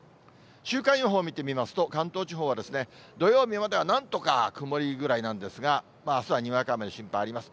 週間予報を見てみますと、関東地方は土曜日まではなんとか曇りぐらいなんですが、あすはにわか雨の心配あります。